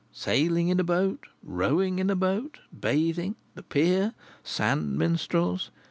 Sailing in a boat! Rowing in a boat! Bathing! The Pier! Sand minstrels!